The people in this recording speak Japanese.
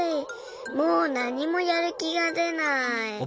もうなにもやるきがでない。